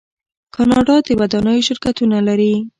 کاناډا د ودانیو شرکتونه لري.